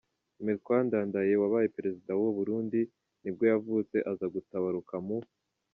Melchior Ndadaye, wabaye perezida wa w’uburundi nibwo yavutse, aza gutabaruka mu .